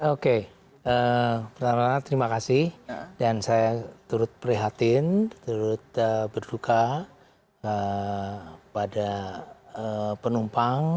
oke terima kasih dan saya turut perhatian turut berduka pada penumpang